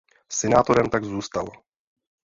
Senátorem tak zůstal.